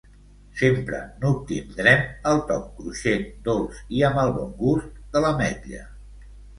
Sempre n'obtindrem el toc cruixent, dolç i amb el bon gust de l'ametlla.